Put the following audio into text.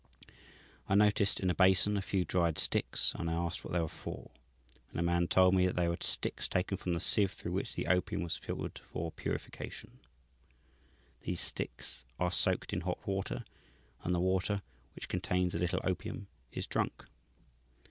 I noticed in a basin a few dried sticks, and I asked what they were for, and the man told me they were the sticks taken from the sieve through which the opium was filtered for purification. These sticks are soaked in hot water, and the water, which contains a little opium, is drunk.